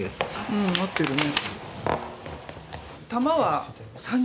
うん合ってるね。